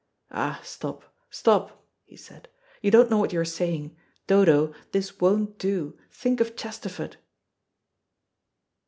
"Ah, stop, stop," he said, "you don't know what you are saying. Dodo, this won't do. Think of Chesterford."